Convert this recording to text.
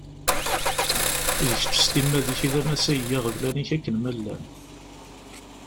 D kečč s timmad-ik i d amasay n yiɣeblan-ik akken ma llan.